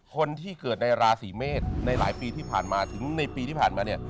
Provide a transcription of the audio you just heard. คนที่เกิดในราศีเมษในหลายปีที่ผ่านมาถึงในปีที่ผ่านมาเนี่ย